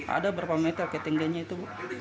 ada berapa meter ketingganya itu